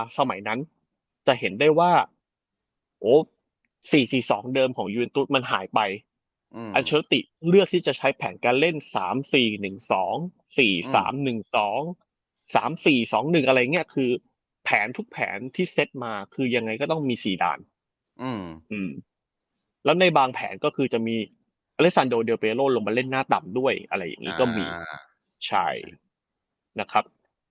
สมัยนั้นจะเห็นได้ว่าโอ้สี่สี่สองเดิมของมันหายไปอืมอันเฉลติเลือกที่จะใช้แผนการเล่นสามสี่หนึ่งสองสี่สามหนึ่งสองสามสี่สองหนึ่งอะไรอย่างเงี้ยคือแผนทุกแผนที่เซ็ตมาคือยังไงก็ต้องมีสี่ด่านอืมอืมแล้วในบางแผนก็คือจะมีลงมาเล่นหน้าต่ำด้วยอะไรอย่างงี้ก็มีอ่าใช่นะครับ